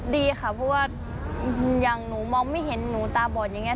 ดีค่ะเพราะว่าอย่างหนูมองไม่เห็นหนูตาบอดอย่างนี้